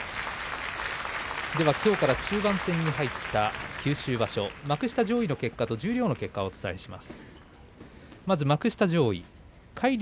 きょうから中盤戦に入った九州場所幕下上位の結果と十両の結果です。